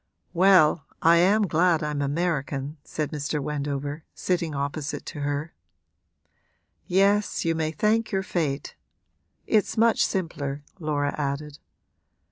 'Well, I am glad I'm American,' said Mr. Wendover, sitting opposite to her. 'Yes, you may thank your fate. It's much simpler,' Laura added.